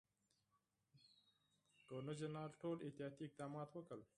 ګورنرجنرال ټول احتیاطي اقدامات وکړل.